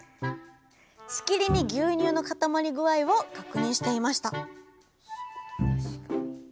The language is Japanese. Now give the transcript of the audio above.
しきりに牛乳の固まり具合を確認していました